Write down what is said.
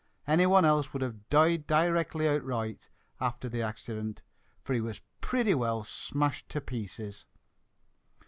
Any one else would have died directly outright afther the accident, for he was pretty well smashed to pieces!"